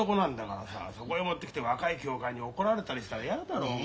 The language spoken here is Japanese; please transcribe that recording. そこへもってきて若い教官に怒られたりしたら嫌だろうが。